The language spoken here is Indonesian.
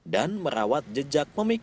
dan merawat jejak memikirnya